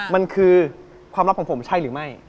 มันคือความลับของผมใช่หรือไม่